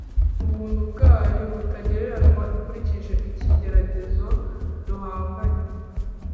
ubuntu bwayo butagereranywa ikurikije ikigeragezo duhanganye